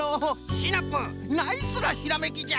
シナプーナイスなひらめきじゃ。